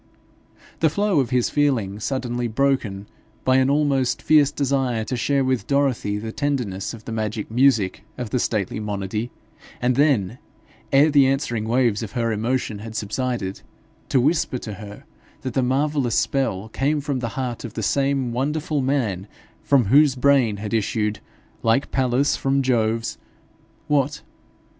The flow of his feeling suddenly broken by an almost fierce desire to share with Dorothy the tenderness of the magic music of the stately monody, and then, ere the answering waves of her emotion had subsided, to whisper to her that the marvellous spell came from the heart of the same wonderful man from whose brain had issued, like Pallas from Jove's, what?